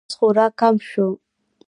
نفوس خورا کم شو